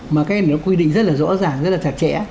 mà cái này nó quy định rất là rõ ràng rất là chặt chẽ